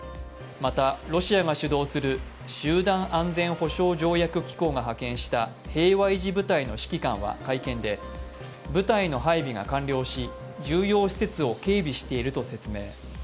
また、ロシアが主導する集団安全保障条約機構が派遣した平和維持部隊の指揮官は会見で、舞台の配備が完了し、重要施設を警備していると説明。